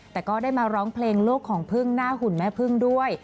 แต่ก็ได้มาร้องเพลงโลกของพึ่งหน้าหุ่นแม่พึ่งด้วย